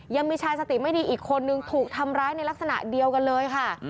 ยังมีชายสติไม่ดีอีกคนนึงถูกทำร้ายในลักษณะเดียวกันเลยค่ะ